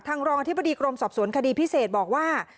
รองอธิบดีกรมสอบสวนคดีพิเศษบอกว่า